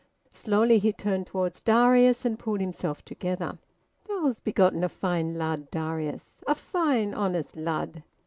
Slowly he turned towards Darius, and pulled himself together. "Thou'st begotten a fine lad, Darius! ... a fine, honest lad!"